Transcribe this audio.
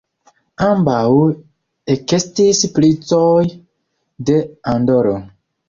Ambaŭ ekestis princoj de Andoro.